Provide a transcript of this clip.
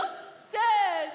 せの！